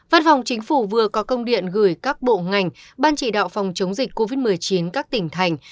văn phòng chính phủ vừa có công điện gửi các bộ ngành ban chỉ đạo phòng chống dịch covid một mươi chín các tỉnh thành